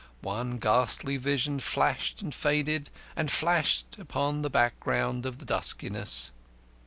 One ghastly vision flashed and faded and flashed upon the background of the duskiness.